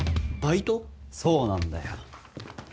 そうなんだよ。